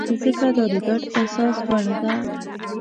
ځکه دا د ګډ احساس بڼه ده.